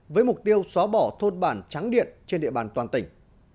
với mục tiêu xóa bỏ thôn bản trắng điện trên địa bàn toàn tỉnh